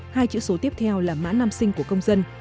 hai chữ số tiếp theo là mã nam sinh của công dân